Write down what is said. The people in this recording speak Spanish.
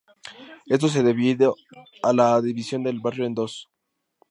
Esto se ha debido a la división del barrio en dos.